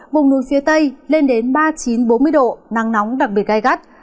vùng núi phía tây lên đến ba mươi chín bốn mươi độ nắng nóng đặc biệt gai gắt